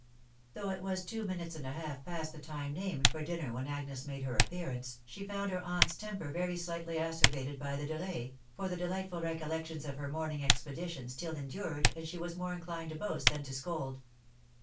Though it was two minutes and a half past the for dinner when Agnes made her appearance, she found far aunt's .temper very slightly acerbated by the delay, for the de lightful recollections of her morning expedition still endured, and she was more inclined to boast than to acrid.